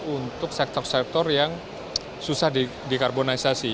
untuk sektor sektor yang susah dikarbonisasi